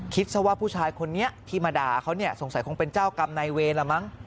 ซะว่าผู้ชายคนนี้ที่มาด่าเขาเนี่ยสงสัยคงเป็นเจ้ากรรมนายเวรล่ะมั้ง